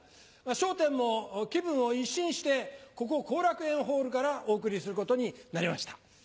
『笑点』も気分を一新してここ後楽園ホールからお送りすることになりました。